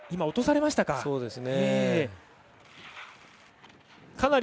落とされましたか。